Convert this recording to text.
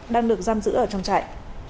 đang được giam giữ ở trong trại